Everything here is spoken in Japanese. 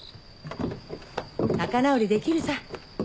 仲直りできるさ。